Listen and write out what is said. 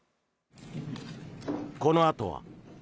このあとは。